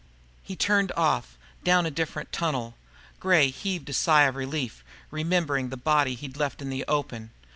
He turned off, down a different tunnel, and Gray heaved a sigh of relief, remembering the body he'd left in the open.